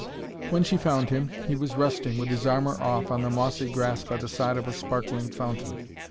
When she found him he was resting, with his armour off, on the mossy grass by the side of a sparkling fountain.